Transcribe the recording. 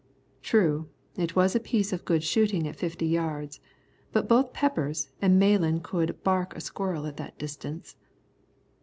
True, it was a piece of good shooting at fifty yards, but both Peppers and Malan could "bark" a squirrel at that distance.